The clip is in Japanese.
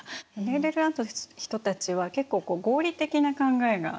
ネーデルラントの人たちは結構合理的な考えが宗教に関しても。